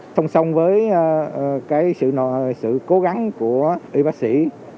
song song với sự cố gắng của y bác sĩ